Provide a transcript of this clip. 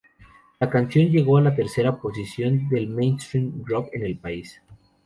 La canción llegó a la tercera posición del Mainstream Rock en el país.